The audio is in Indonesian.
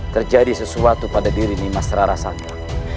terjadi sesuatu pada diri nimasrarasaka